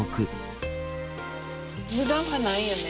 無駄がないよね